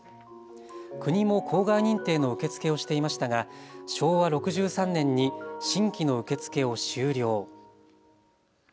国も公害認定の受け付けをしていましたが昭和６３年に新規の受け付けを終了。